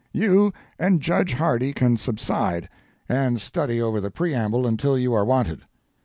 You and Judge Hardy can subside, and study over the preamble until you are wanted."